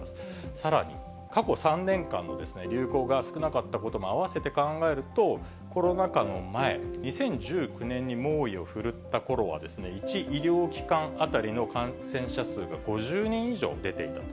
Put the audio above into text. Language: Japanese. さらに、過去３年間の流行が少なかったこともあわせて考えると、コロナ禍の前、２０１９年に猛威を振るったころは、１医療機関当たりの感染者数が５０人以上出ていたと。